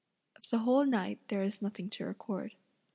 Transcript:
Of the whole night there is nothing to record.